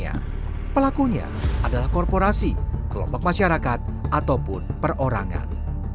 selain itu pelakunya adalah korporasi kelompok masyarakat ataupun perorangan